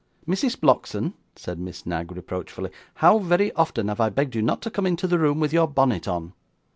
'Mrs. Blockson,' said Miss Knag, reproachfully, 'how very often I have begged you not to come into the room with your bonnet on!